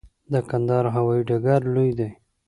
د کندهار هوايي ډګر لوی دی